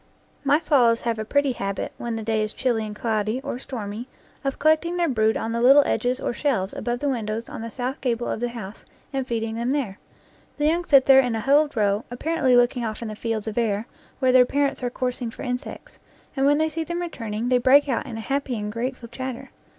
My swallows have a pretty habit, when the day is chilly and cloudy or stormy, of collecting their brood on the little ledges or shelves above the win dows on the south gable of the house and feeding them there. The young sit there in a huddled row, apparently looking off in the fields of air where their parents are coursing for insects, and when they see them returning, they break out in a happy and grateful chatter.